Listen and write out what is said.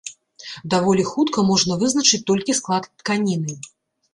Даволі хутка можна вызначыць толькі склад тканіны.